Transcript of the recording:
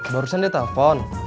barusan dia telepon